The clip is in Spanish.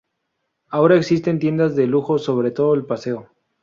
Ahora existen tiendas de lujo sobre todo el paseo.